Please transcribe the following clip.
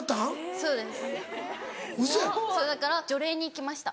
そうだから除霊に行きました。